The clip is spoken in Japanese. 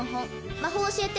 魔法を教えて。